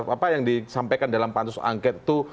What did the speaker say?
apa yang disampaikan dalam pansus angket itu